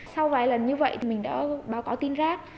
sau vài lần như vậy thì mình đã báo cáo tin rác